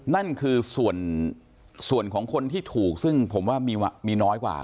นั่นคือส่วนของคนที่ถูกซึ่งผมว่ามีน้อยกว่า